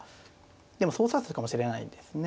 でもそう指すかもしれないですね。